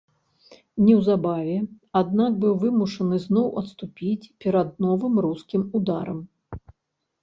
Неўзабаве, аднак, быў вымушаны зноў адступіць перад новым рускім ударам.